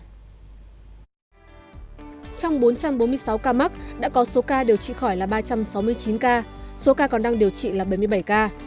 trong bốn trăm bốn mươi sáu ca mắc đã có số ca điều trị khỏi là ba trăm sáu mươi chín ca số ca còn đang điều trị là bảy mươi bảy ca